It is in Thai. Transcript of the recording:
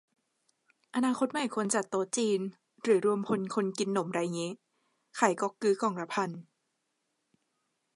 อนาคตใหม่ควรจัดโต๊ะจีน หรือรวมพลคนกินหนมไรงี้ ขายก็อกกึ้กล่องละพัน